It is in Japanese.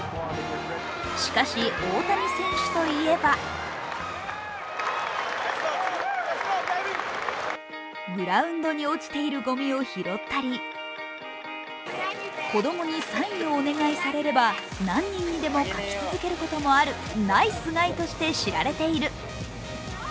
しかし大谷選手といえばグラウンドに落ちているゴミを拾ったり子供にサインをお願いされれば何人にでも書き続けることもあるナイスガイとして知られている。